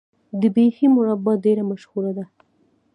د بیحي مربا ډیره مشهوره ده.